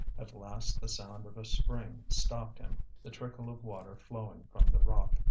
At last the sound of a spring stopped him, the trickle of water flowing from the rock.